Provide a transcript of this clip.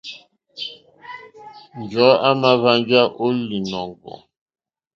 Njɔ̀ɔ́ à mà hwánjá ó lìnɔ̀ŋgɔ̀.